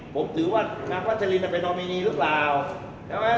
ผมถือว่านางวัชรินเป็นดอมินีหรือเปล่า